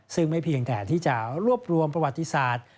ซึ่งไม่เพียงแต่ที่จะรวบรวมประวัติศาสตร์